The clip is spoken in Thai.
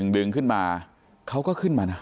ดึงขึ้นมาเขาก็ขึ้นมานะ